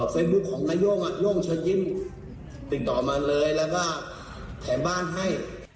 เฟซบุ๊คของนาย่งโย่งเชิญยิ้มติดต่อมาเลยแล้วก็ขายบ้านให้